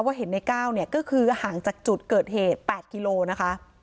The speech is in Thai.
เห็นในก้าวเนี่ยก็คือห่างจากจุดเกิดเหตุ๘กิโลนะคะ